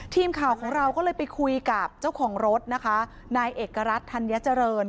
ทีมข่าวของเราก็เลยไปคุยกับเจ้าของรถนะคะนายเอกรัฐธัญเจริญ